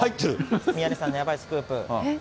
宮根さんのやばいスクープ。